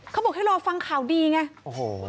เขาบอกให้รอฟังข่าวดีไงโอ้โห